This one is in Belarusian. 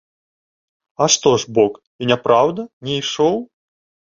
А што ж, бок, і няпраўда, не ішоў?